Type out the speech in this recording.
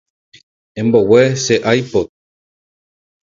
Embogue che ipod.